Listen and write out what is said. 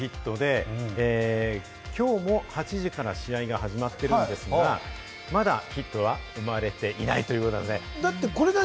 １６試合、連続ヒットで今日も８時から試合が始まってるんですが、まだヒットは生まれていないということですね。